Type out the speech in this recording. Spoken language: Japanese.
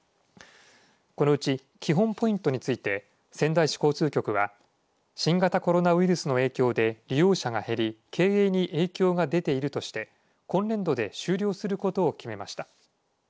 このうち、基本ポイントについて仙台市交通局は新型コロナウイルスの影響で利用者が減り経営に影響が出ているとして今年度で終了することを決めました。